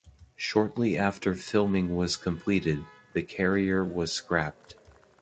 Shortly after filming was completed, the carrier was scrapped.